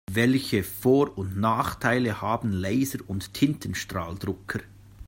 Welche Vor- und Nachteile haben Laser- und Tintenstrahldrucker?